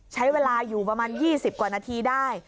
ใช้เวลาอยู่ประมาณ๒๐กว่านาทีได้